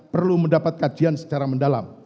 perlu mendapat kajian secara mendalam